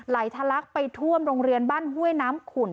ทะลักไปท่วมโรงเรียนบ้านห้วยน้ำขุ่น